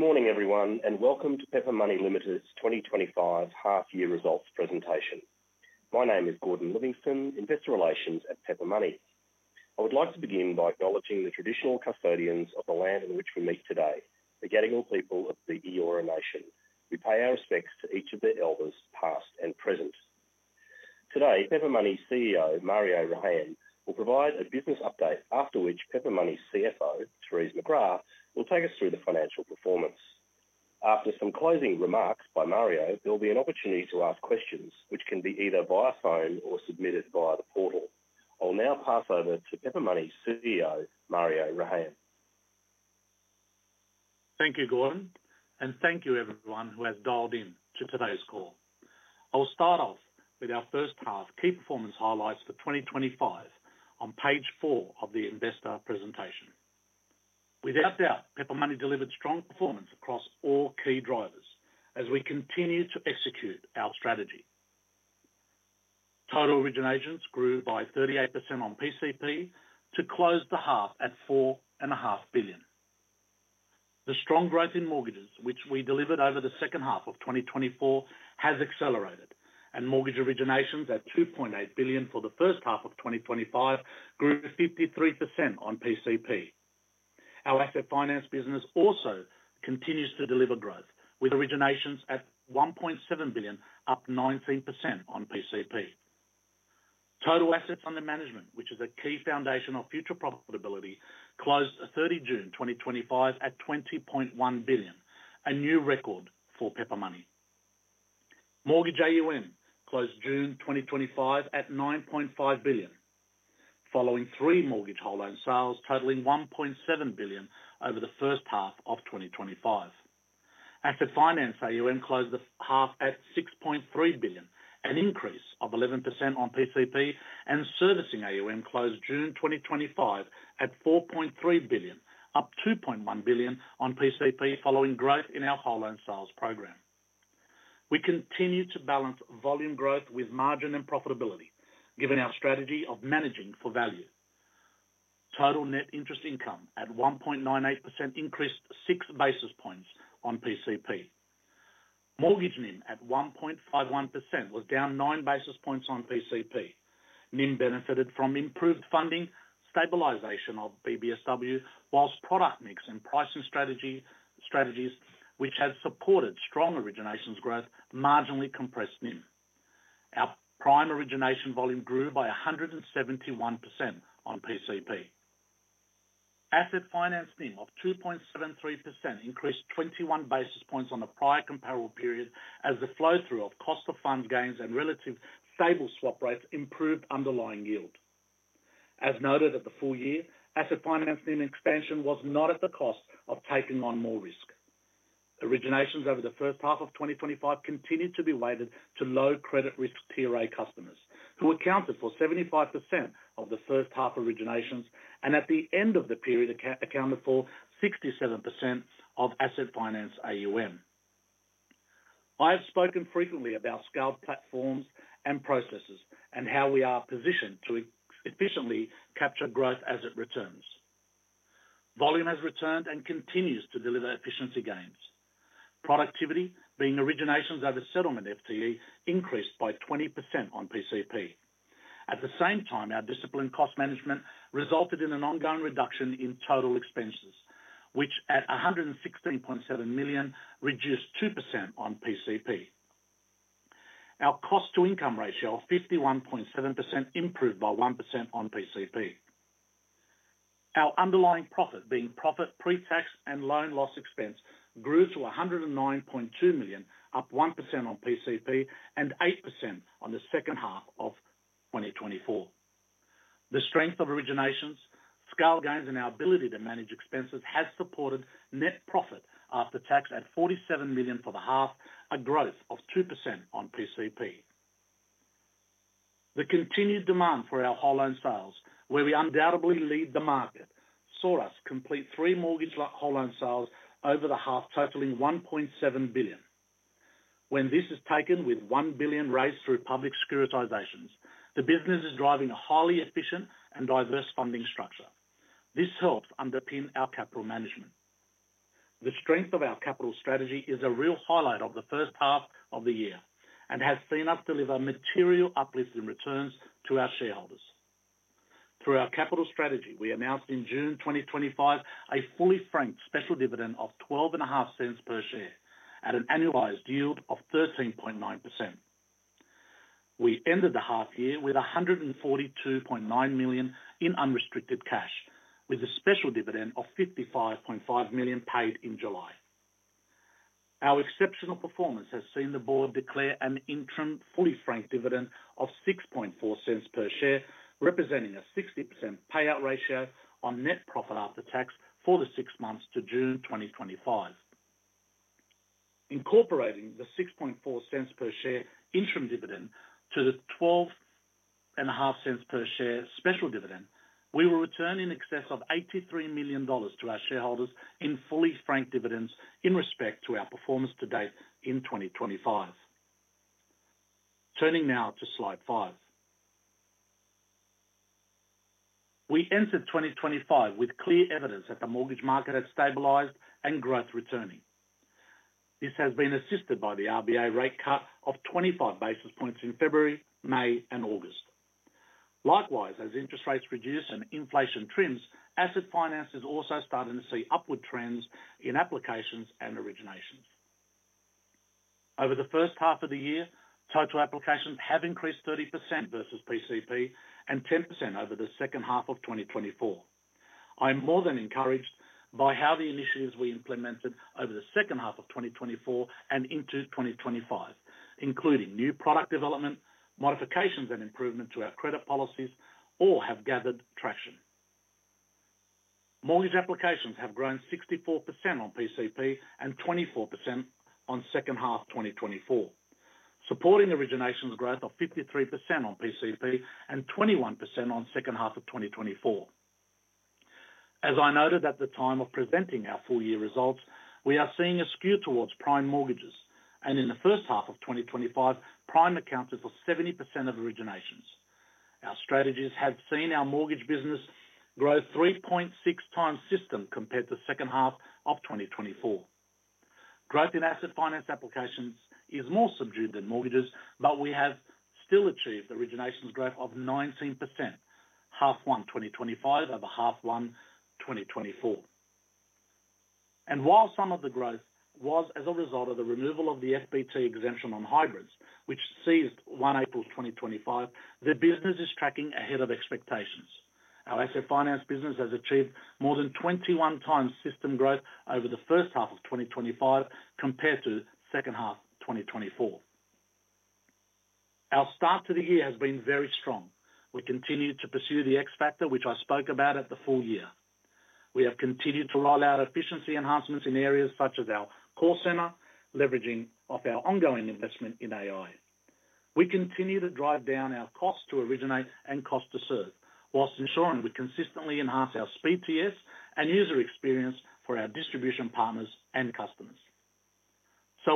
Good morning, everyone, and welcome to Pepper Money Limited's 2025 Half-Year Results Presentation. My name is Gordon Livingston, Investor Relations at Pepper Money. I would like to begin by acknowledging the traditional custodians of the land on which we meet today, the Gadigal people of the Eora Nation. We pay our respects to each of their elders, past and present. Today, Pepper Money's CEO, Mario Rehayem, will provide a business update, after which Pepper Money's CFO, Therese McGrath, will take us through the financial performance. After some closing remarks by Mario, there will be an opportunity to ask questions, which can be either via phone or submitted via the portal. I will now pass over to Pepper Money's CEO, Mario Rehayem. Thank you, Gordon, and thank you, everyone, who has dialed in to today's call. I will start off with our first half key performance highlights for 2025, on page four of the investor presentation. Without doubt, Pepper Money delivered strong performance across all key drivers as we continue to execute our strategy. Total originations grew by 38% on PCP to close the half at $4.5 billion. The strong growth in mortgages, which we delivered over the second half of 2024, has accelerated, and mortgage originations at $2.8 billion for the first half of 2025 grew 53% on PCP. Our asset finance business also continues to deliver growth, with originations at $1.7 billion, up 19% on PCP. Total assets under management, which is a key foundation of future profitability, closed 30 June 2025 at $20.1 billion, a new record for Pepper Money. Mortgage AUM closed June 2025 at $9.5 billion, following three mortgage hold-on sales totaling $1.7 billion over the first half of 2025. Asset finance AUM closed the half at $6.3 billion, an increase of 11% on PCP, and servicing AUM closed June 2025 at $4.3 billion, up $2.1 billion on PCP, following growth in our hold-on sales program. We continue to balance volume growth with margin and profitability, given our strategy of managing for value. Total net interest income at 1.98% increased 6 basis points on PCP. Mortgage NIM at 1.51% was down 9 basis points on PCP. NIM benefited from improved funding, stabilization of BBSW, whilst product mix and pricing strategies, which had supported strong originations growth, marginally compressed NIM. Our prime origination volume grew by 171% on PCP. Asset finance NIM of 2.73% increased 21 basis points on a prior comparable period as the flow-through of cost-of-fund gains and relatively stable swap rates improved underlying yield. As noted at the full year, asset finance NIM expansion was not at the cost of taking on more risk. Originations over the first half of 2025 continue to be weighted to low credit risk Tier A customers, who accounted for 75% of the first half originations and at the end of the period accounted for 67% of asset finance AUM. I have spoken frequently about scaled platforms and processes and how we are positioned to efficiently capture growth as it returns. Volume has returned and continues to deliver efficiency gains. Productivity, being originations over settlement FTE, increased by 20% on PCP. At the same time, our disciplined cost management resulted in an ongoing reduction in total expenses, which at $116.7 million reduced 2% on PCP. Our cost-to-income ratio of 51.7% improved by 1% on PCP. Our underlying profit, being profit pre-tax and loan loss expense, grew to $109.2 million, up 1% on PCP and 8% on the second half of 2024. The strength of originations, scale gains, and our ability to manage expenses have supported net profit after tax at $47 million for the half, a growth of 2% on PCP. The continued demand for our hold-on sales, where we undoubtedly lead the market, saw us complete three mortgage hold-on sales over the half, totaling $1.7 billion. When this is taken with $1 billion raised through public securitisations, the business is driving a highly efficient and diverse funding structure. This helps underpin our capital management. The strength of our capital strategy is a real highlight of the first half of the year and has seen us deliver material uplifting returns to our shareholders. Through our capital strategy, we announced in June 2025 a fully franked special dividend of $0.125 per share at an annualized yield of 13.9%. We ended the half year with $142.9 million in unrestricted cash, with a special dividend of $55.5 million paid in July. Our exceptional performance has seen the board declare an interim fully franked dividend of $0.64 per share, representing a 60% payout ratio on net profit after tax for the six months to June 2025. Incorporating the $0.64 per share interim dividend to the $12.50 per share special dividend, we will return in excess of $83 million to our shareholders in fully franked dividends in respect to our performance to date in 2025. Turning now to slide five, we entered 2025 with clear evidence that the mortgage market had stabilized and growth returning. This has been assisted by the RBA rate cut of 25 basis points in February, May, and August. Likewise, as interest rates reduce and inflation trends, asset finance is also starting to see upward trends in applications and originations. Over the first half of the year, total applications have increased 30% versus PCP and 10% over the second half of 2024. I am more than encouraged by how the initiatives we implemented over the second half of 2024 and into 2025, including new product development, modifications, and improvement to our credit policies, all have gathered traction. Mortgage applications have grown 64% on PCP and 24% on second half 2024, supporting originations' growth of 53% on PCP and 21% on second half of 2024. As I noted at the time of presenting our full-year results, we are seeing a skew towards prime mortgages, and in the first half of 2025, prime accounted for 70% of originations. Our strategies have seen our mortgage business grow 3.6 times system compared to the second half of 2024. Growth in asset finance applications is more subdued than mortgages, but we have still achieved origination growth of 19%, half one 2025 over half one 2024. While some of the growth was as a result of the removal of the FBT exemption on hybrids, which ceased 1 April 2025, the business is tracking ahead of expectations. Our asset finance business has achieved more than 21x system growth over the first half of 2025 compared to the second half of 2024. Our start to the year has been very strong. We continue to pursue the X factor, which I spoke about at the full year. We have continued to roll out efficiency enhancements in areas such as our call centre, leveraging off our ongoing investment in AI. We continue to drive down our cost to originate and cost to serve, whilst ensuring we consistently enhance our speed to yes and user experience for our distribution partners and customers.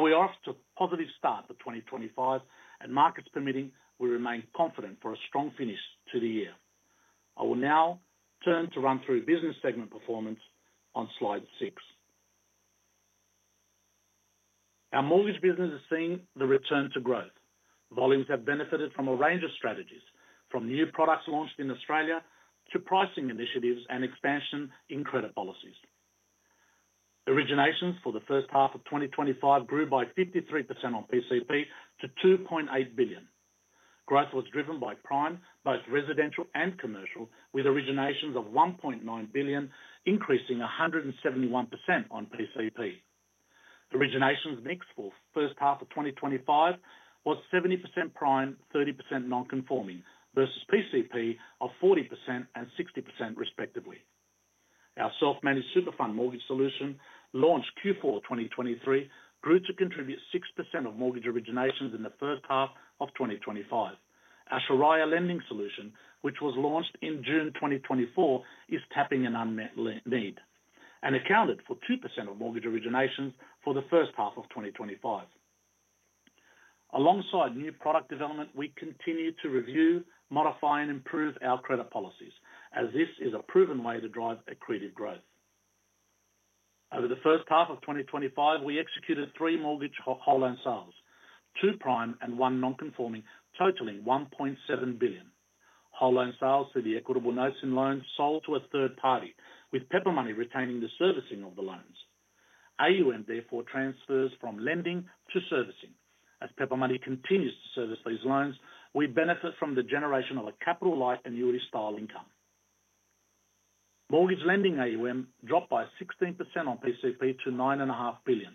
We are off to a positive start for 2025, and markets permitting, we remain confident for a strong finish to the year. I will now turn to run through business segment performance on slide six. Our mortgage business is seeing the return to growth. Volumes have benefited from a range of strategies, from new products launched in Australia to pricing initiatives and expansion in credit policies. Originations for the first half of 2025 grew by 53% on PCP to $2.8 billion. Growth was driven by prime, both residential and commercial, with originations of $1.9 billion increasing 171% on PCP. Originations mix for the first half of 2025 was 70% prime, 30% non-conforming versus PCP of 40% and 60% respectively. Our self-managed super fund mortgage solution, launched Q4 2023, grew to contribute 6% of mortgage originations in the first half of 2025. Our Shariah-compliant solutions, which was launched in June 2024, is tapping an unmet need and accounted for 2% of mortgage originations for the first half of 2025. Alongside new product development, we continue to review, modify, and improve our credit policies, as this is a proven way to drive accretive growth. Over the first half of 2025, we executed three mortgage hold-on sales, two prime and one non-conforming, totaling $1.7 billion. Hold-on sales through the equitable notes in loans sold to a third party, with Pepper Money retaining the servicing of the loans. AUM therefore transfers from lending to servicing. As Pepper Money continues to service these loans, we benefit from the generation of a capital-like annuity style income. Mortgage lending AUM dropped by 16% on PCP to $9.5 billion.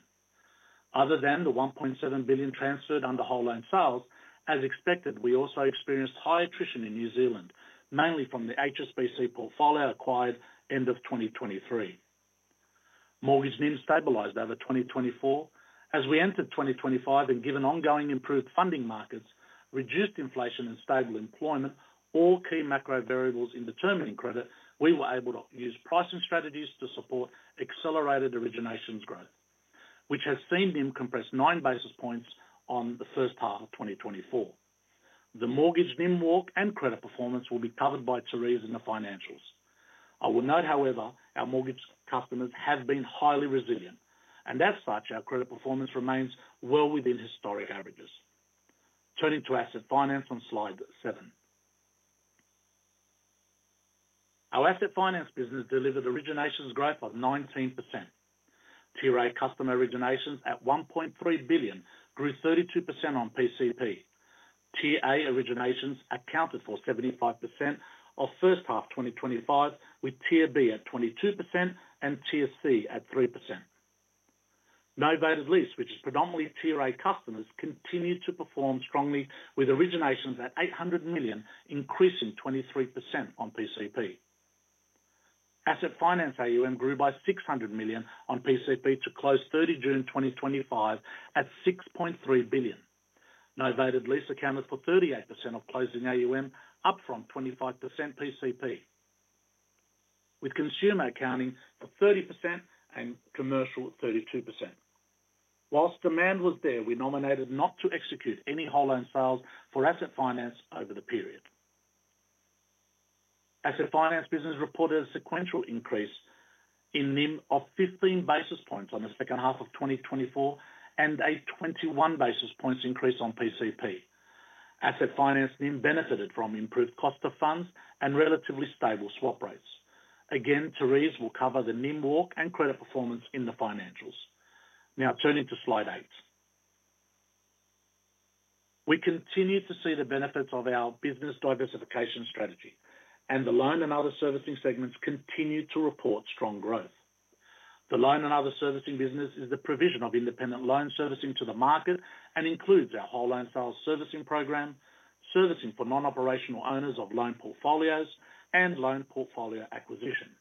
Other than the $1.7 billion transferred under hold-on sales, as expected, we also experienced high attrition in New Zealand, mainly from the HSBC portfolio acquired end of 2023. Mortgage NIM stabilized over 2024. As we entered 2025 and given ongoing improved funding markets, reduced inflation, and stable employment, all key macro variables in determining credit, we were able to use pricing strategies to support accelerated originations growth, which has seen NIM compress 9 basis points on the first half of 2024. The mortgage NIM walk and credit performance will be covered by Therese in the financials. I will note, however, our mortgage customers have been highly resilient, and as such, our credit performance remains well within historic averages. Turning to asset finance on slide seven, our asset finance business delivered originations growth of 19%. Tier A customer originations at $1.3 billion grew 32% on PCP. Tier A originations accounted for 75% of first half 2025, with Tier B at 22% and Tier C at 3%. No VAT at lease, which is predominantly Tier A customers, continued to perform strongly, with originations at $800 million increasing 23% on PCP. Asset finance AUM grew by $600 million on PCP to close 30 June 2025 at $6.3 billion. No VAT at lease accounted for 38% of closing AUM, up from 25% PCP, with consumer accounting for 30% and commercial 32%. Whilst demand was there, we nominated not to execute any hold-on sales for asset finance over the period. Asset finance business reported a sequential increase in NIM of 15 basis points on the second half of 2024 and a 21 basis points increase on PCP. Asset finance NIM benefited from improved cost of funds and relatively stable swap rates. Again, Therese will cover the NIM walk and credit performance in the financials. Now turning to slide eight, we continue to see the benefits of our business diversification strategy, and the loan and other servicing segments continue to report strong growth. The loan and other servicing business is the provision of independent loan servicing to the market and includes our hold-on sales servicing program, servicing for non-operational owners of loan portfolios, and loan portfolio acquisition.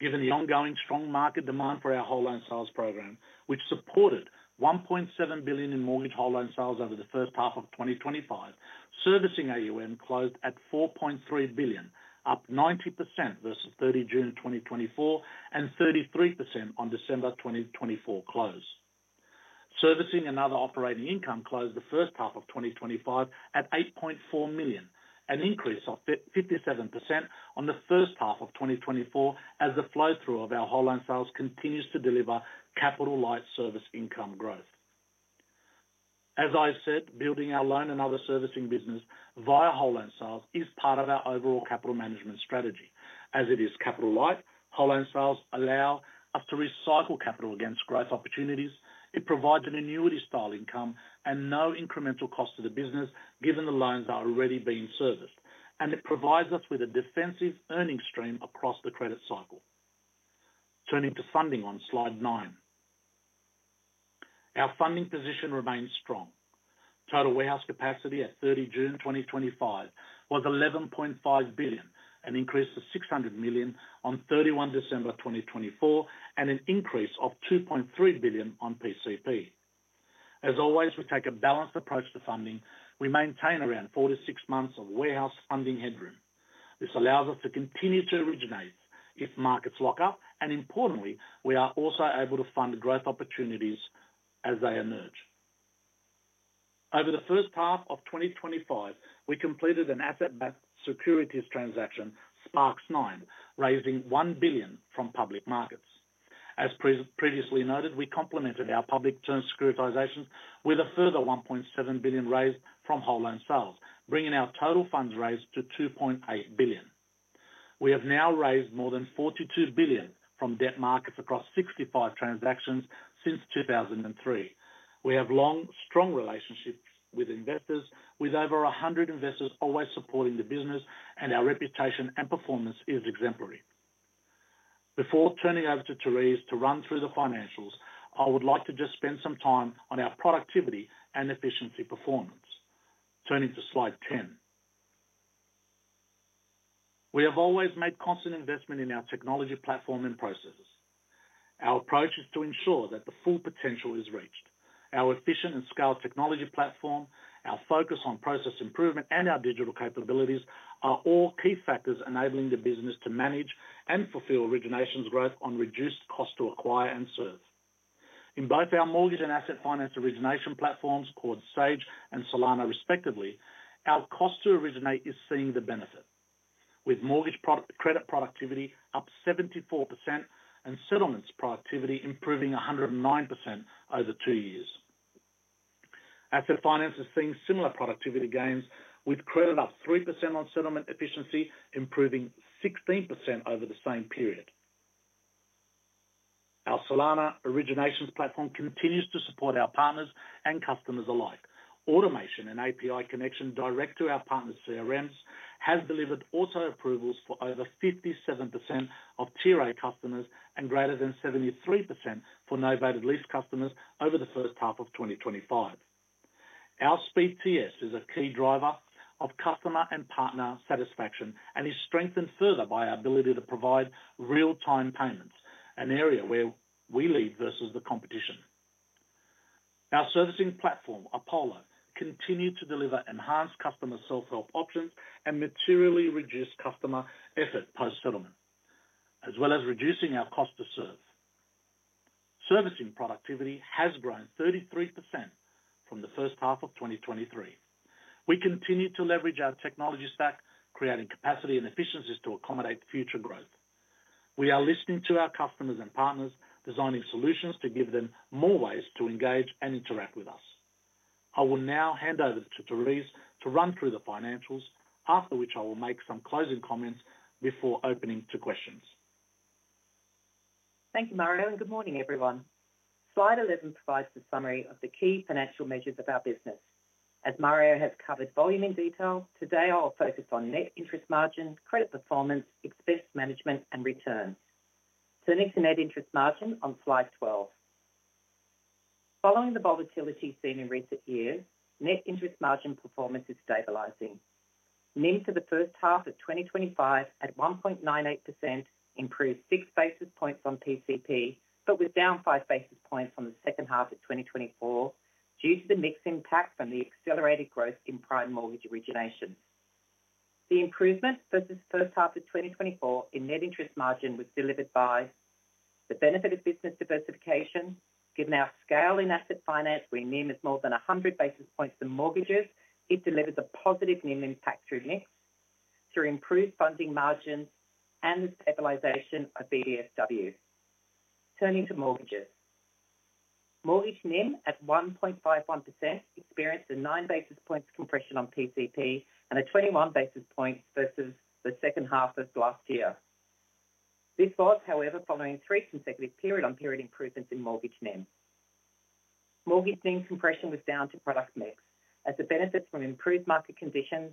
Given the ongoing strong market demand for our hold-on sales program, which supported $1.7 billion in mortgage hold-on sales over the first half of 2025, servicing assets under management closed at $4.3 billion, up 90% versus 30 June 2024 and 33% on December 2024 close. Servicing and other operating income closed the first half of 2025 at $8.4 million, an increase of 57% on the first half of 2024, as the flow-through of our hold-on sales continues to deliver capital-like service income growth. As I have said, building our loan and other servicing business via hold-on sales is part of our overall capital management strategy. As it is capital-like, hold-on sales allow us to recycle capital against growth opportunities. It provides an annuity style income and no incremental cost to the business, given the loans that are already being serviced, and it provides us with a defensive earnings stream across the credit cycle. Turning to funding on slide nine, our funding position remains strong. Total warehouse capacity at 30 June 2025 was $11.5 billion, an increase to $600 million on 31 December 2024, and an increase of $2.3 billion on prior corresponding period. As always, we take a balanced approach to funding. We maintain around four to six months of warehouse funding headroom. This allows us to continue to originate if markets lock up, and importantly, we are also able to fund growth opportunities as they emerge. Over the first half of 2025, we completed an asset-based securities transaction, SPARKS9, raising $1 billion from public markets. As previously noted, we complemented our public securitisations with a further $1.7 billion raise from hold-on sales, bringing our total funds raised to $2.8 billion. We have now raised more than $42 billion from debt markets across 65 transactions since 2003. We have long, strong relationships with investors, with over 100 investors always supporting the business, and our reputation and performance are exemplary. Before turning over to Therese to run through the financials, I would like to just spend some time on our productivity and efficiency performance. Turning to slide ten, we have always made constant investment in our technology platform and processes. Our approach is to ensure that the full potential is reached. Our efficient and scaled technology platform, our focus on process improvement, and our digital capabilities are all key factors enabling the business to manage and fulfill originations' growth on reduced cost to acquire and serve. In both our mortgage and asset finance origination platforms, called Sage and Solana, respectively, our cost to originate is seeing the benefit, with mortgage credit productivity up 74% and settlements productivity improving 109% over two years. Asset finance is seeing similar productivity gains, with credit up 3% and settlement efficiency improving 16% over the same period. Our Solana originations platform continues to support our partners and customers alike. Automation and API connection direct to our partners' CRMs has delivered auto-approvals for over 57% of Tier A customers and greater than 73% for no VAT at lease customers over the first half of 2025. Our speed to yes is a key driver of customer and partner satisfaction and is strengthened further by our ability to provide real-time payments, an area where we lead versus the competition. Our servicing platform, Apollo, continued to deliver enhanced customer self-help options and materially reduced customer effort post-settlement, as well as reducing our cost to serve. Servicing productivity has grown 33% from the first half of 2023. We continue to leverage our technology stack, creating capacity and efficiencies to accommodate future growth. We are listening to our customers and partners, designing solutions to give them more ways to engage and interact with us. I will now hand over to Therese to run through the financials, after which I will make some closing comments before opening to questions. Thank you, Mario, and good morning, everyone. Slide 11 provides the summary of the key financial measures of our business. As Mario has covered volume in detail, today I'll focus on net interest margin, credit performance, expense management, and return. Turning to net interest margin on slide 12. Following the volatility seen in recent years, net interest margin performance is stabilizing. NIM for the first half of 2025 at 1.98% improved six basis points on PCP, but was down five basis points on the second half of 2024 due to the mixed impact from the accelerated growth in prime mortgage origination. The improvement for this first half of 2024 in net interest margin was delivered by the benefit of business diversification. Given our scale in asset finance, where NIM is more than 100 basis points for mortgages, it delivers a positive NIM impact through NIM, through improved funding margins, and the stabilization of BBSW. Turning to mortgages, mortgage NIM at 1.51% experienced a nine basis points compression on PCP and a 21 basis point versus the second half of last year. This was, however, following three consecutive period-on-period improvements in mortgage NIM. Mortgage NIM compression was down to product mix, as the benefits from improved market conditions,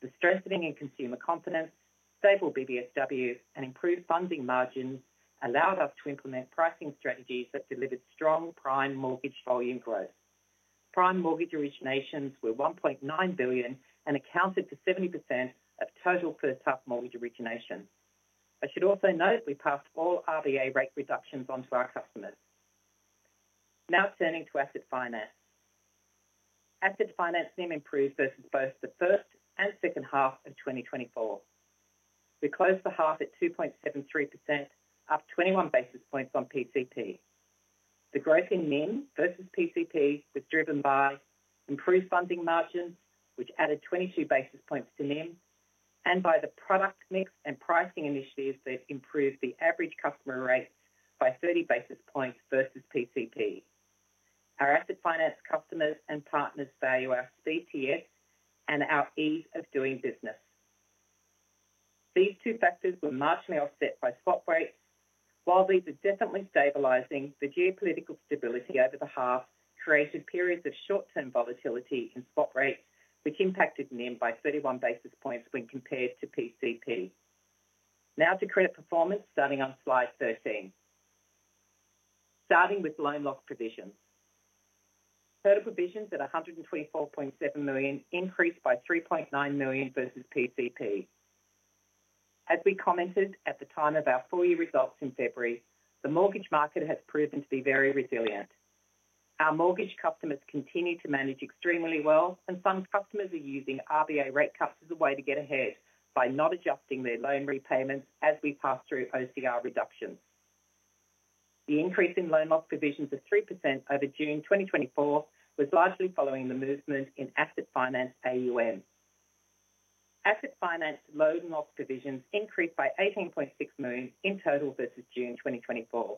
the strengthening in consumer confidence, stable BBSW, and improved funding margins allowed us to implement pricing strategies that delivered strong prime mortgage volume growth. Prime mortgage originations were $1.9 billion and accounted for 70% of total first half mortgage origination. I should also note we passed all RBA rate reductions onto our customers. Now turning to asset finance, asset finance NIM improved versus both the first and second half of 2024. We closed the half at 2.73%, up 21 basis points on PCP. The growth in NIM versus PCP was driven by improved funding margin, which added 22 basis points to NIM, and by the product mix and pricing initiatives that improved the average customer rate by 30 basis points versus PCP. Our asset finance customers and partners value our speed to yes and our ease of doing business. These two factors were marginally offset by swap rates. While these are definitely stabilizing, the geopolitical stability over the half created periods of short-term volatility in swap rates, which impacted NIM by 31 basis points when compared to PCP. Now to credit performance, starting on slide 13. Starting with loan lock provisions, total provisions at $124.7 million increased by $3.9 million versus PCP. As we commented at the time of our full-year results in February, the mortgage market has proven to be very resilient. Our mortgage customers continue to manage extremely well, and some customers are using RBA rate cuts as a way to get ahead by not adjusting their loan repayments as we pass through OCR reductions. The increase in loan lock provisions of 3% over June 2024 was largely following the movement in asset finance AUM. Asset finance loan lock provisions increased by $18.6 million in total versus June 2024.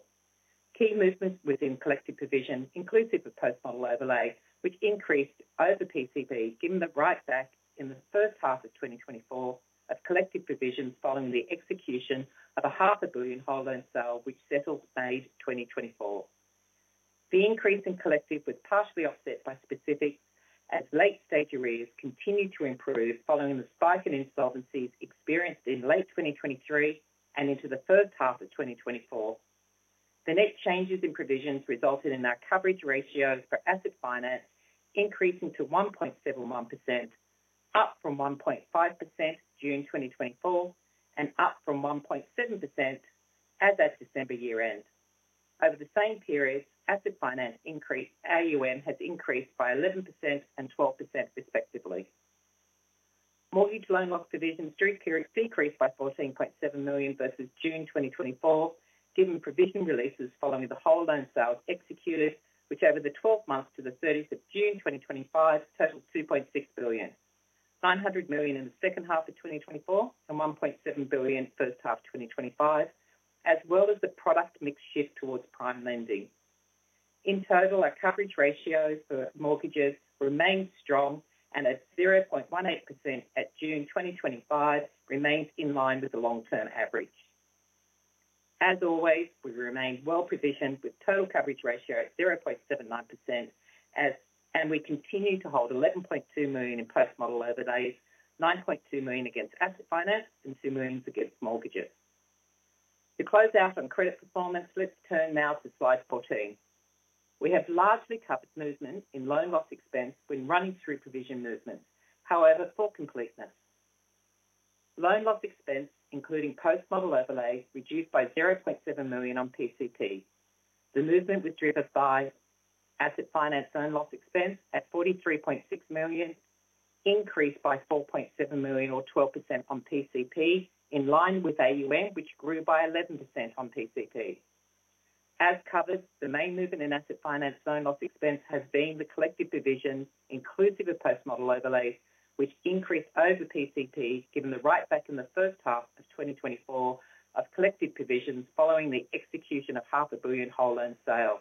Key movements within collective provision, inclusive of post-model overlay, which increased over PCP, given the write-back in the first half of 2024 of collective provisions following the execution of a half a billion hold-on sale, which settled May 2024. The increase in collective was partially offset by specifics, as late-stage arrears continue to improve following the spike in insolvencies experienced in late 2023 and into the first half of 2024. The net changes in provisions resulted in our coverage ratios for asset finance increasing to 1.71%, up from 1.5% in June 2024, and up from 1.7% as of December year-end. Over the same period, asset finance AUM has increased by 11% and 12% respectively. Mortgage loan lock provisions decreased by $14.7 million versus June 2024, given provision releases following the hold-on sales executed, which over the 12 months to the 30th of June 2025 totaled $2.6 billion, $900 million in the second half of 2024, and $1.7 billion in the first half of 2025, as well as the product mix shift towards prime lending. In total, our coverage ratios for mortgages remain strong, and at 0.18% at June 2025, it remains in line with the long-term average. As always, we remain well provisioned with total coverage ratio at 0.79%, and we continue to hold $11.2 million in post-model overlays, $9.2 million against asset finance, and $2 million against mortgages. To close out on credit performance, let's turn now to slide 14. We have largely covered movement in loan loss expense when running through provision movements. However, for completeness, loan loss expense, including post-model overlay, reduced by $0.7 million on PCP. The movement was driven by asset finance loan loss expense at $43.6 million, increased by $4.7 million, or 12% on PCP, in line with AUM, which grew by 11% on PCP. As covered, the main movement in asset finance loan loss expense has been the collective provision, inclusive of post-model overlays, which increased over PCP, given the write-back in the first half of 2024 of collective provisions following the execution of half a billion hold-on sale.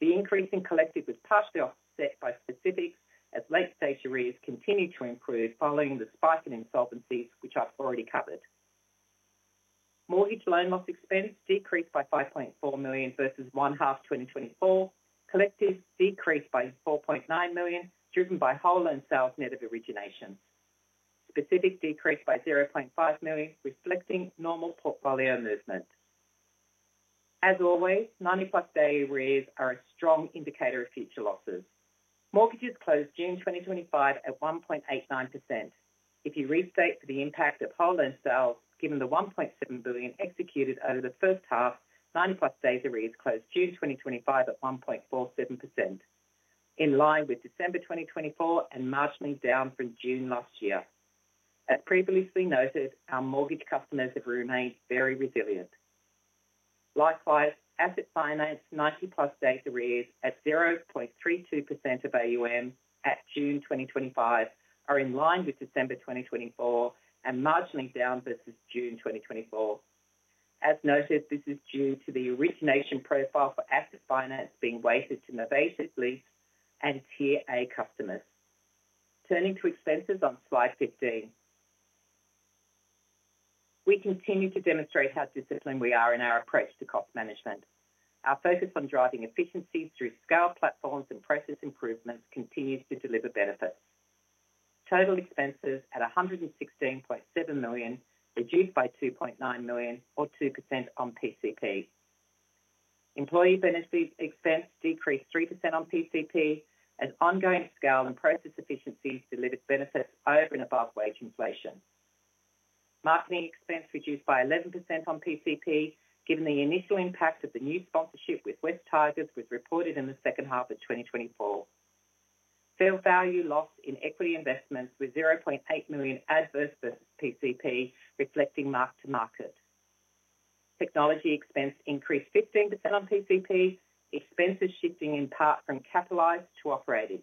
The increase in collective was partially offset by specifics, as late-stage arrears continue to improve following the spike in insolvencies, which I've already covered. Mortgage loan loss expense decreased by $5.4 million versus one half of 2024, collective decreased by $4.9 million, driven by hold-on sales native origination. Specifics decreased by $0.5 million, reflecting normal portfolio movement. As always, 90-plus-day arrears are a strong indicator of future losses. Mortgages closed June 2025 at 1.89%. If you restate the impact of hold-on sales, given the $1.7 billion executed over the first half, 90-plus-day arrears closed June 2025 at 1.47%, in line with December 2024 and marginally down from June last year. As previously noted, our mortgage customers have remained very resilient. Likewise, asset finance 90-plus-day arrears at 0.32% of assets under management at June 2025 are in line with December 2024 and marginally down versus June 2024. As noted, this is due to the origination profile for asset finance being weighted to no VAT at lease and Tier A customers. Turning to expenses on slide 15, we continue to demonstrate how disciplined we are in our approach to cost management. Our focus on driving efficiencies through scaled platforms and process improvements continues to deliver benefits. Total expenses at $116.7 million reduced by $2.9 million, or 2% on PCP. Employee benefit expense decreased 3% on PCP, and ongoing scale and process efficiencies delivered benefits over and above wage inflation. Marketing expense reduced by 11% on PCP, given the initial impact of the new sponsorship with West Tigers, which was reported in the second half of 2024. Fair value loss in equity investments was $0.8 million adverse versus PCP, reflecting mark-to-market. Technology expense increased 15% on PCP, expenses shifting in part from capitalized to operating.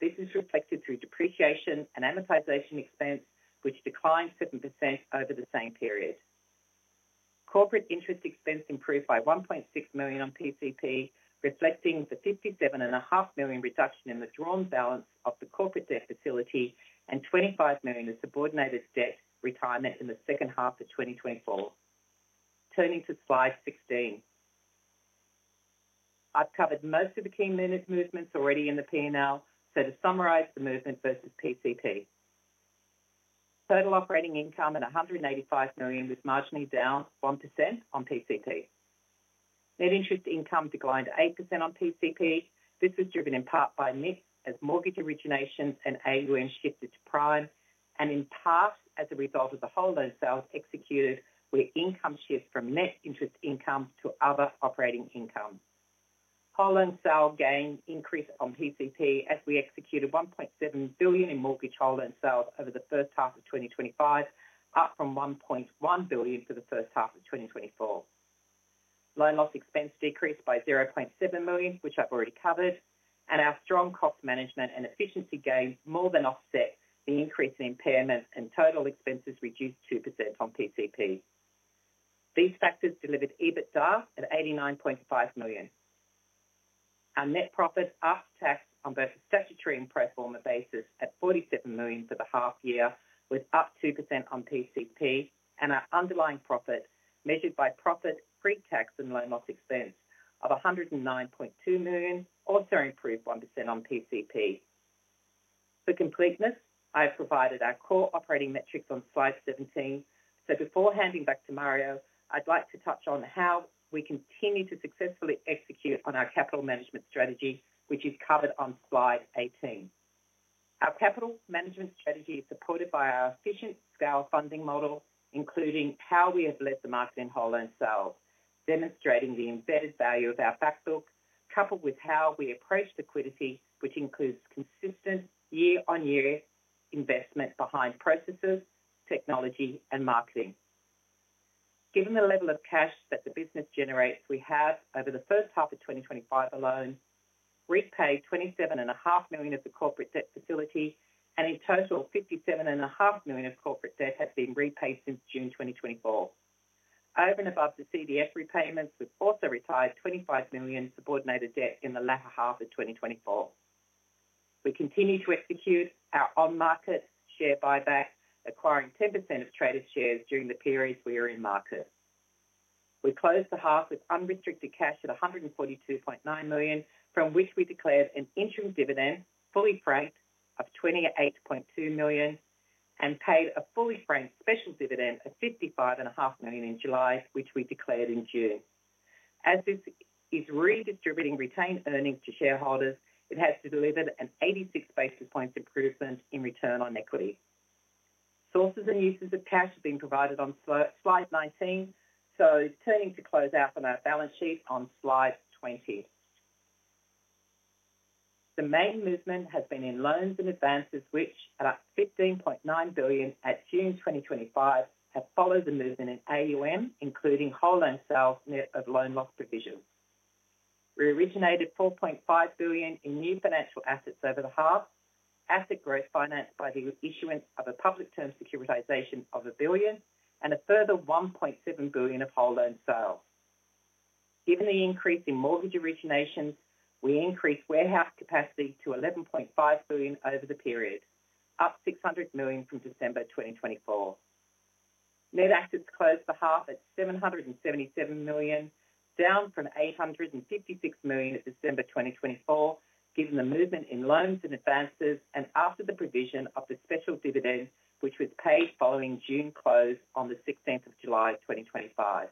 This is reflected through depreciation and amortization expense, which declined 7% over the same period. Corporate interest expense improved by $1.6 million on PCP, reflecting the $57.5 million reduction in withdrawn balance of the corporate debt facility and $25 million in subordinated debt retirement in the second half of 2024. Turning to slide 16, I've covered most of the key movements already in the P&L, so to summarize the movement versus PCP, total operating income at $185 million was marginally down 1% on PCP. Net interest income declined 8% on PCP. This was driven in part by NIM, as mortgage originations and AUM shifted to prime, and in part as a result of the hold-on sales executed, where income shifts from net interest income to other operating income. Hold-on sale gain increased on PCP as we executed $1.7 billion in mortgage hold-on sales over the first half of 2025, up from $1.1 billion for the first half of 2024. Loan loss expense decreased by $0.7 million, which I've already covered, and our strong cost management and efficiency gain more than offset the increase in impairments, and total expenses reduced 2% on PCP. These factors delivered EBITDA at $89.5 million. Our net profit after tax on both a statutory and profitable basis at $47 million for the half year, with up 2% on PCP, and our underlying profit measured by profit pre-tax and loan loss expense of $109.2 million also improved 1% on PCP. For completeness, I have provided our core operating metrics on slide 17. Before handing back to Mario, I'd like to touch on how we continue to successfully execute on our capital management strategy, which is covered on slide 18. Our capital management strategy is supported by our efficient scale funding model, including how we have led the market in hold-on sales, demonstrating the embedded value of our backbook, coupled with how we approach liquidity, which includes consistent year-on-year investment behind processes, technology, and marketing. Given the level of cash that the business generates, we have over the first half of 2025 alone repaid $27.5 million of the corporate debt facility, and in total, $57.5 million of corporate debt has been repaid since June 2024. Over and above the CDS repayments, we've also repaid $25 million in subordinated debt in the latter half of 2024. We continue to execute our on-market share buyback, acquiring 10% of traded shares during the periods we are in market. We closed the half with unrestricted cash at $142.9 million, from which we declared an interim dividend fully franked of $28.2 million and paid a fully franked special dividend of $55.5 million in July, which we declared in June. As this is redistributing retained earnings to shareholders, it has delivered an 86 basis points improvement in return on equity. Sources and uses of cash have been provided on slide 19. Turning to close out on our balance sheet on slide 20, the main movement has been in loans and advances, which at $15.9 billion at June 2025 have followed the movement in assets under management, including hold-on sales net of loan loss provision. We originated $4.5 billion in new financial assets over the half, asset growth financed by the issuance of a public term securitisation of $1 billion and a further $1.7 billion of hold-on sales. Given the increase in mortgage originations, we increased warehouse capacity to $11.5 billion over the period, up $600 million from December 2024. Net assets closed the half at $777 million, down from $856 million in December 2024, given the movement in loans and advances and after the provision of the special dividend, which was paid following June close on the 16th of July 2025.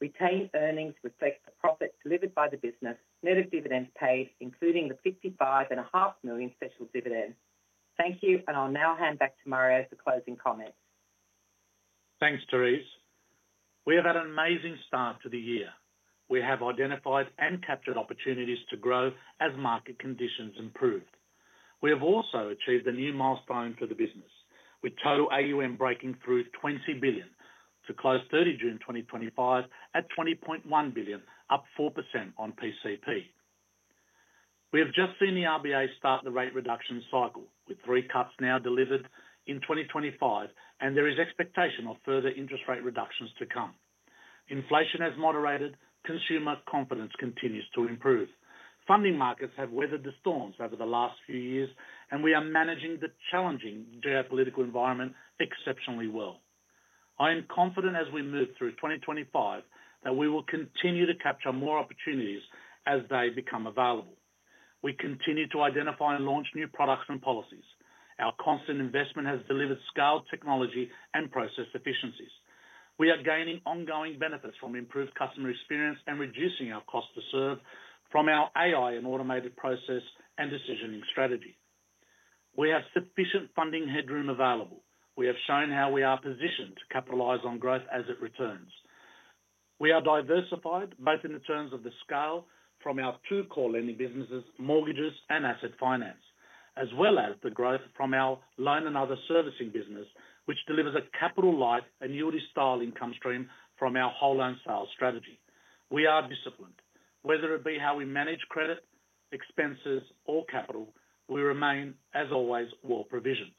Retained earnings reflect the profit delivered by the business, net of dividends paid, including the $55.5 million special dividend. Thank you, and I'll now hand back to Mario for closing comments. Thanks, Therese. We have had an amazing start to the year. We have identified and captured opportunities to grow as market conditions improved. We have also achieved a new milestone for the business, with total assets under management breaking through $20 billion to close 30 June 2025 at $20.1 billion, up 4% on PCP. We have just seen the RBA start the rate reduction cycle, with three cuts now delivered in 2025, and there is expectation of further interest rate reductions to come. Inflation has moderated, consumer confidence continues to improve. Funding markets have weathered the storms over the last few years, and we are managing the challenging geopolitical environment exceptionally well. I am confident as we move through 2025 that we will continue to capture more opportunities as they become available. We continue to identify and launch new products and policies. Our constant investment has delivered scaled technology and process efficiencies. We are gaining ongoing benefits from improved customer experience and reducing our cost to serve from our AI and automated process and decisioning strategy. We have sufficient funding headroom available. We have shown how we are positioned to capitalize on growth as it returns. We are diversified both in the terms of the scale from our two core lending businesses, mortgages and asset finance, as well as the growth from our loan and other servicing business, which delivers a capital-like annuity style income stream from our hold-on sales strategy. We are disciplined. Whether it be how we manage credit, expenses, or capital, we remain, as always, well provisioned.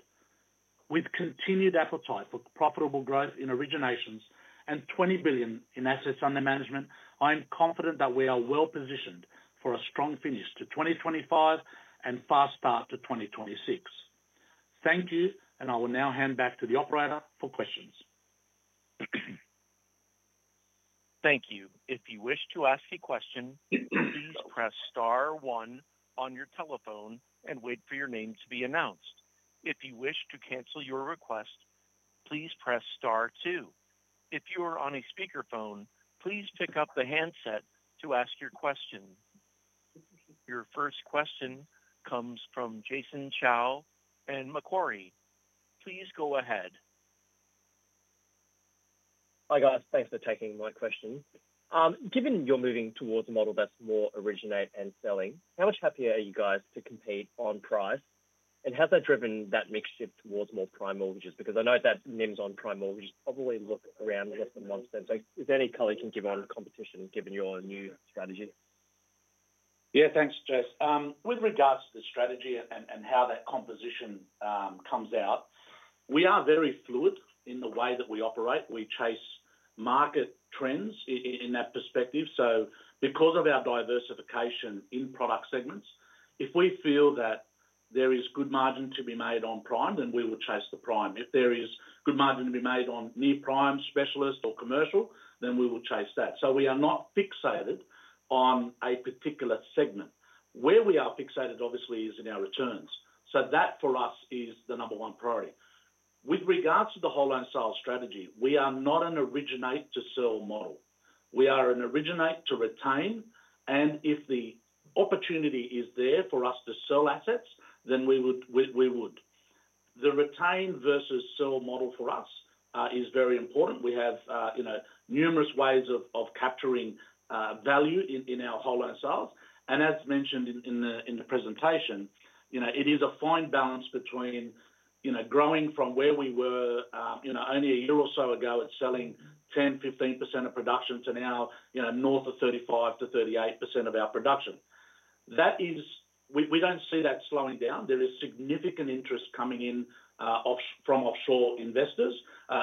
With continued appetite for profitable growth in originations and $20 billion in assets under management, I am confident that we are well positioned for a strong finish to 2025 and fast start to 2026. Thank you, and I will now hand back to the operator for questions. Thank you. If you wish to ask a question, please press star one on your telephone and wait for your name to be announced. If you wish to cancel your request, please press star two. If you are on a speakerphone, please pick up the handset to ask your question. Your first question comes from Jason Chow at Macquarie. Please go ahead. Hi guys, thanks for taking my question. Given you're moving towards a model that's more originate and selling, how much happier are you guys to compete on price? Has that driven that mix shift towards more prime mortgages? I know that NIMs on prime mortgages probably look around less than 1%. Is there any color you can give on competition given your new strategy? Yeah, thanks [Jess]. With regards to the strategy and how that composition comes out, we are very fluid in the way that we operate. We chase market trends in that perspective. Because of our diversification in product segments, if we feel that there is good margin to be made on prime, then we will chase the prime. If there is good margin to be made on near prime, specialist, or commercial, then we will chase that. We are not fixated on a particular segment. Where we are fixated, obviously, is in our returns. That for us is the number one priority. With regards to the hold-on sales strategy, we are not an originate to sell model. We are an originate to retain, and if the opportunity is there for us to sell assets, then we would. The retain versus sell model for us is very important. We have numerous ways of capturing value in our hold-on sales. As mentioned in the presentation, it is a fine balance between growing from where we were only a year or so ago at selling 10-15% of production to now north of 35%-38% of our production. We don't see that slowing down. There is significant interest coming in from offshore investors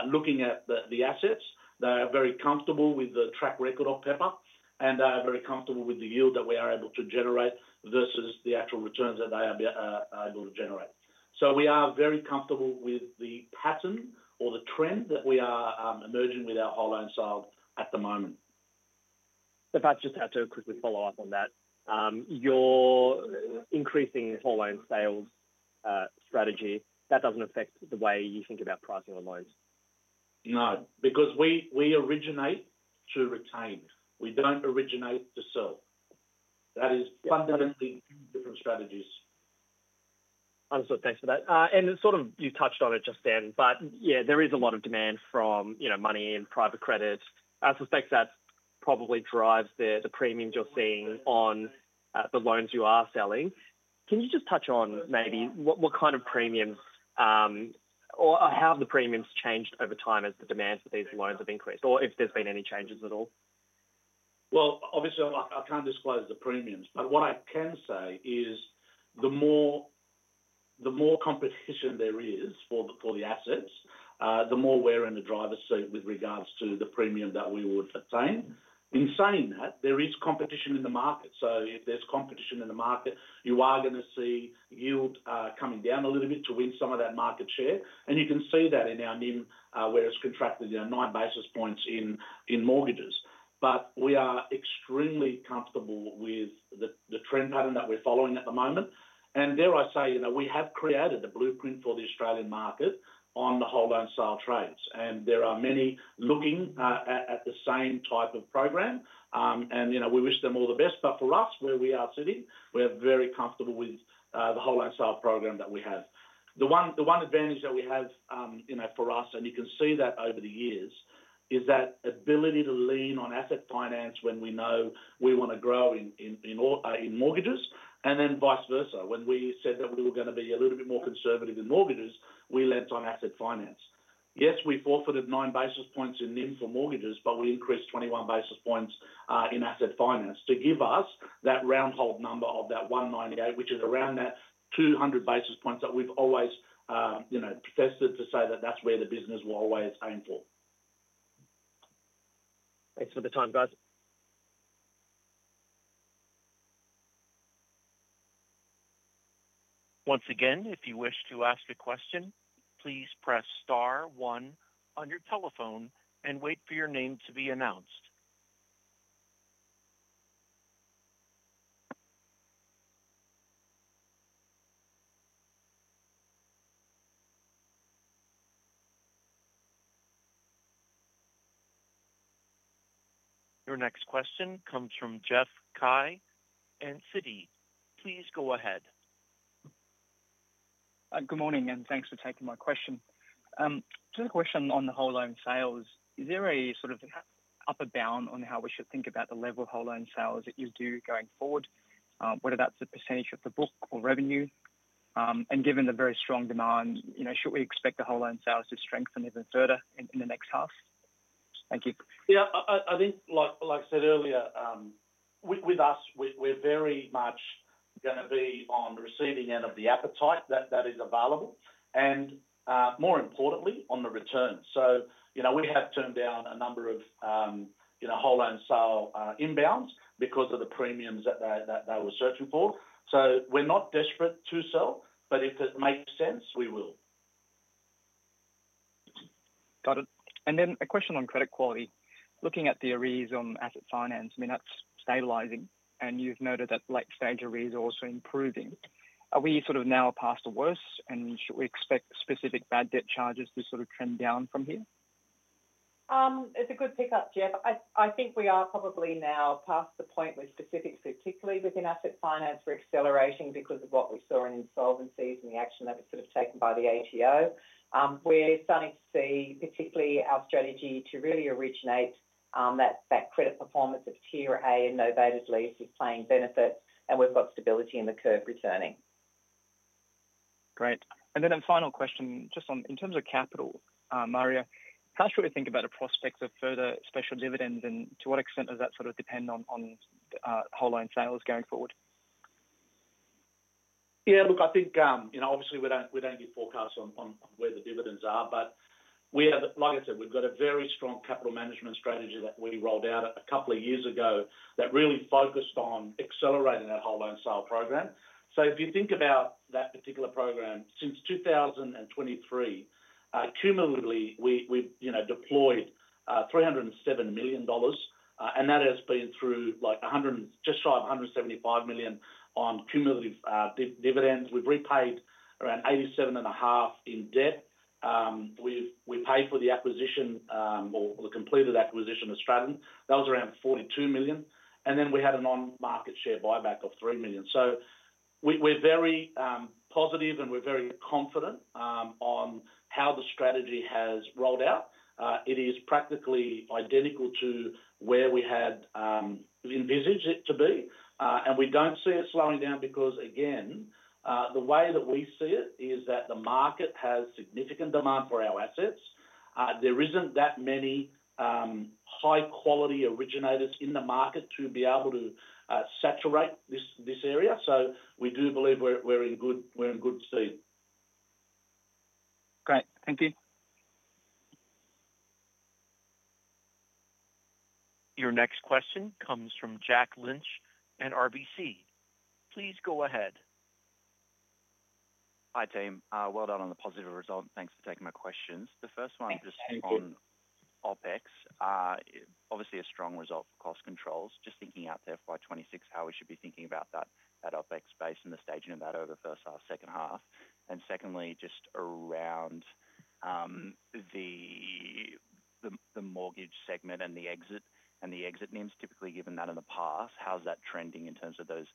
looking at the assets. They are very comfortable with the track record of Pepper, and they are very comfortable with the yield that we are able to generate versus the actual returns that they are able to generate. We are very comfortable with the pattern or the trend that we are emerging with our hold-on sales at the moment. If I just have to quickly follow up on that, your increasing hold-on sales strategy, that doesn't affect the way you think about pricing or loans? No, because we originate to retain. We don't originate to sell. That is fundamentally two different strategies. I'm sorry, thanks for that. You touched on it just then, but yeah, there is a lot of demand from, you know, money in private credits. I suspect that probably drives the premiums you're seeing on the loans you are selling. Can you just touch on maybe what kind of premium or how have the premiums changed over time as the demand for these loans have increased or if there's been any changes at all? Obviously, I can't disclose the premiums, but what I can say is the more competition there is for the assets, the more we're in the driver's seat with regards to the premium that we would obtain. In saying that, there is competition in the market. If there's competition in the market, you are going to see yield coming down a little bit to win some of that market share. You can see that in our NIM, where it's contracted nine basis points in mortgages. We are extremely comfortable with the trend pattern that we're following at the moment. Dare I say, you know, we have created the blueprint for the Australian market on the hold-on sale trades. There are many looking at the same type of programme. You know, we wish them all the best. For us, where we are sitting, we are very comfortable with the hold-on sale programme that we have. The one advantage that we have, you know, for us, and you can see that over the years, is that ability to lean on asset finance when we know we want to grow in mortgages. Vice versa, when we said that we were going to be a little bit more conservative in mortgages, we leant on asset finance. Yes, we forfeited nine basis points in NIM for mortgages, but we increased 21 basis points in asset finance to give us that round-hold number of that 198, which is around that 200 basis points that we've always, you know, festered to say that that's where the business will always aim for. Thanks for the time, guys. Once again, if you wish to ask a question, please press star one on your telephone and wait for your name to be announced. Your next question comes from Jeff Cai in Citi. Please go ahead. Good morning, and thanks for taking my question. Just a question on the hold-on sales. Is there a sort of upper bound on how we should think about the level of hold-on sales that you do going forward, whether that's the % of the book or revenue? Given the very strong demand, should we expect the hold-on sales to strengthen even further in the next half? I think like I said earlier, with us, we're very much going to be on the receiving end of the appetite that is available and more importantly on the return. We have turned down a number of hold-on sale inbounds because of the premiums that they were searching for. We're not desperate to sell, but if it makes sense, we will. Got it. A question on credit quality. Looking at the arrears on asset finance, that's stabilizing, and you've noted that late-stage arrears are also improving. Are we sort of now past the worst, and should we expect specific bad debt charges to trend down from here? It's a good pickup, Jeff. I think we are probably now past the point where specifics, particularly within asset finance, we're accelerating because of what we saw in insolvencies and the action that was sort of taken by the ATO. We're starting to see, particularly our strategy, to really originate that credit performance of Tier A and no VAT at lease is playing benefits, and we've got stability in the curve returning. Great. A final question just on in terms of capital. Mario, how should we think about a prospect of further special dividends, and to what extent does that sort of depend on hold-on sales going forward? Yeah, look, I think, you know, obviously we don't give forecasts on where the dividends are, but we have, like I said, we've got a very strong capital management strategy that we rolled out a couple of years ago that really focused on accelerating that hold-on sales program. If you think about that particular program, since 2023, cumulatively, we've deployed $307 million, and that has been through just shy of $175 million on cumulative dividends. We've repaid around $87.5 million in debt. We paid for the acquisition or the completed acquisition of Stratton. That was around $42 million. We had an on-market share buyback of $3 million. We're very positive and we're very confident on how the strategy has rolled out. It is practically identical to where we had envisaged it to be, and we don't see it slowing down because, again, the way that we see it is that the market has significant demand for our assets. There isn't that many high-quality originators in the market to be able to saturate this area. We do believe we're in good speed. Great. Thank you. Your next question comes from Jack Lynch in RBC. Please go ahead. Hi team. Well done on the positive result. Thanks for taking my questions. The first one is just on OpEx. Obviously, a strong result for cost controls. Just thinking out there for FY 2026, how we should be thinking about that OpEx space and the staging of that over the first half, second half. Secondly, just around the mortgage segment and the exit and the exit NIMs, typically given that in the past, how's that trending in terms of those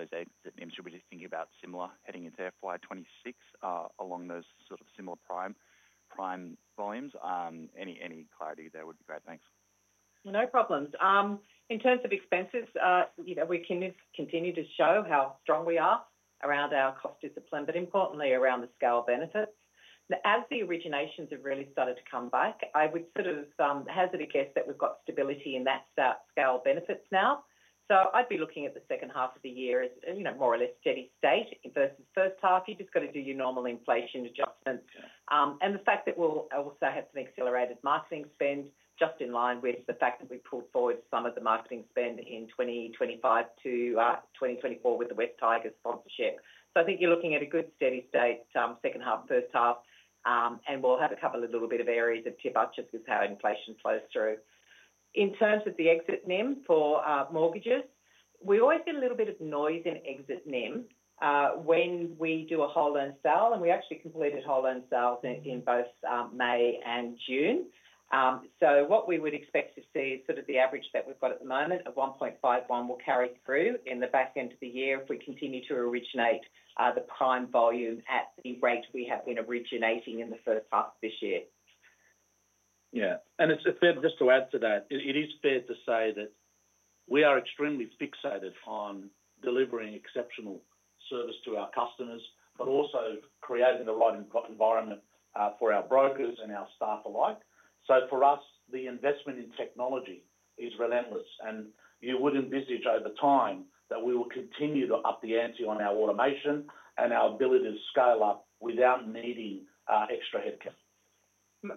exit NIMs? Should we be thinking about similar heading into FY 2026 along those sort of similar prime volumes? Any clarity there would be great. Thanks. No problems. In terms of expenses, we can continue to show how strong we are around our cost discipline, but importantly around the scale benefits. As the originations have really started to come back, I would sort of hazard a guess that we've got stability in that scale benefits now. I'd be looking at the second half of the year as more or less steady state versus the first half. You've just got to do your normal inflation adjustments. The fact that we'll also have some accelerated marketing spend is just in line with the fact that we've pulled forward some of the marketing spend in 2025-2024 with the West Tigers sponsorship. I think you're looking at a good steady state second half, first half, and we'll have a couple of little bit of areas of tier budgets as how inflation flows through. In terms of the exit NIM for mortgages, we always get a little bit of noise in exit NIM when we do a hold-on sale, and we actually completed hold-on sales in both May and June. What we would expect to see is sort of the average that we've got at the moment of $1.51 will carry through in the back end of the year if we continue to originate the prime volume at the rate we have been originating in the first half of this year. Yeah, and it's fair just to add to that, it is fair to say that we are extremely fixated on delivering exceptional service to our customers, but also creating the right environment for our brokers and our staff alike. For us, the investment in technology is relentless, and you would envisage over time that we will continue to up the ante on our automation and our ability to scale up without needing extra headcount.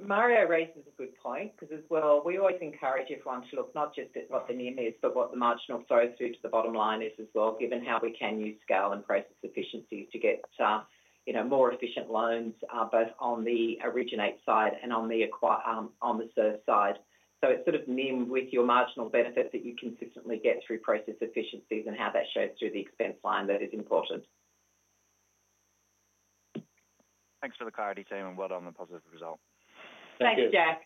Mario raises a good point because, as well, we always encourage everyone to look not just at what the NIM is, but what the marginal flow through to the bottom line is as well, given how we can use scale and process efficiencies to get more efficient loans both on the originate side and on the serve side. It's sort of NIM with your marginal benefit that you consistently get through process efficiencies and how that shows through the expense line that is important. Thanks for the clarity, team, and well done on the positive result. Thank you, Jack.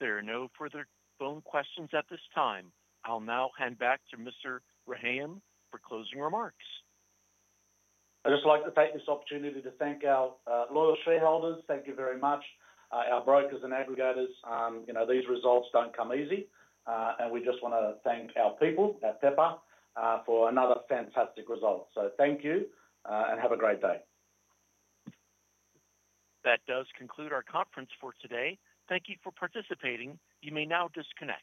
There are no further phone questions at this time. I'll now hand back to Mr. Rehayem for closing remarks. I'd just like to take this opportunity to thank our loyal shareholders. Thank you very much, our brokers and aggregators. These results don't come easy, and we just want to thank our people at Pepper for another fantastic result. Thank you and have a great day. That does conclude our conference for today. Thank you for participating. You may now disconnect.